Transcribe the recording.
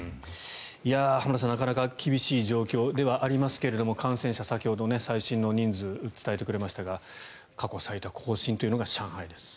浜田さん、なかなか厳しい状況ではありますが感染者、先ほど最新の人数伝えてくれましたが過去最多更新というのが上海です。